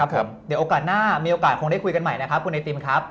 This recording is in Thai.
เดี๋ยวโอกาสหน้ามีโอกาสคงได้คุยกันใหม่นะครับคุณไอติมครับ